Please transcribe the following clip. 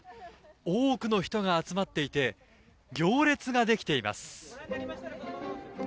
多くの人が集まっていて行列ができています。